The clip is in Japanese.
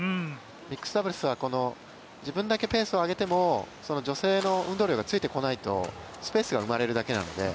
ミックスダブルスはこの自分だけペースを上げても自分だけ運動量ついていけないとスペースが生まれるだけなので。